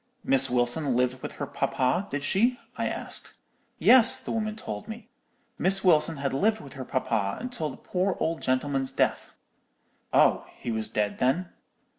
"'Miss Wilson lived with her papa, did she?' I asked. "'Yes,' the woman told me; 'Miss Wilson had lived with her papa till the poor old gentleman's death.' "'Oh, he was dead, then?'